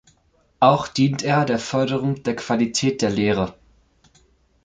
Auch dient er der Förderung der Qualität der Lehre.